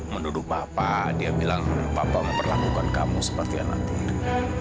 menduduk bapak dia bilang bapak memperlakukan kamu seperti anak itu